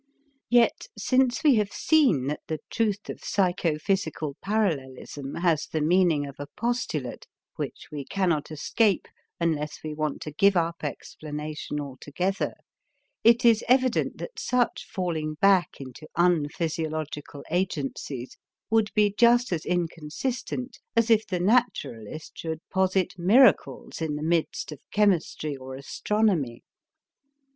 Yet since we have seen that the truth of psychophysical parallelism has the meaning of a postulate which we cannot escape unless we want to give up explanation altogether, it is evident that such falling back into un physiological agencies would be just as inconsistent as if the naturalist should posit miracles in the midst of chemistry or astronomy.